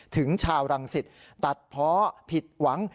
ถึงชาวรังสิตตัดเพาะผิดหวัง